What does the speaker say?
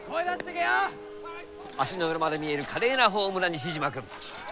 足の裏まで見える華麗なフォームな西島君。